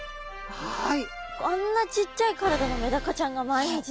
はい。